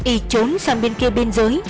y trốn sang bên kia biên giới